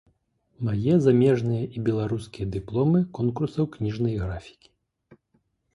Мае замежныя і беларускія дыпломы конкурсаў кніжнай графікі.